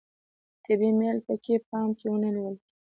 طبیعي میل پکې په پام کې نه نیول کیږي.